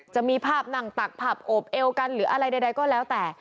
จะมีภาพนั่งตักผับโอบเอวกันหรืออะไรใดก็แล้วแต่